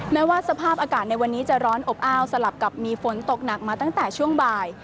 แม้ว่าสภาพอากาศในวันนี้จะร้อนอบอ้าวสลับกับมีฝนตกหนักมาตั้งแต่ช่วงบ่าย